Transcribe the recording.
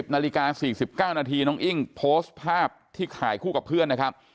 นาฬิกา๔๙นาทีน้องอิ้งโพสต์ภาพที่ถ่ายคู่กับเพื่อนนะครับ